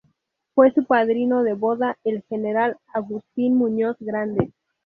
Fue su padrino de boda el general Agustín Muñoz Grandes.